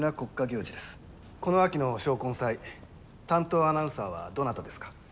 この秋の招魂祭担当アナウンサーはどなたですか？